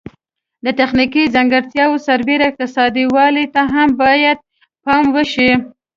د تخنیکي ځانګړتیاوو سربیره اقتصادي والی ته هم باید پام وشي.